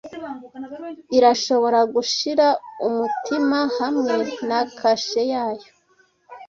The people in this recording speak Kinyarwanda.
irashobora gushira umutima hamwe na kashe yayo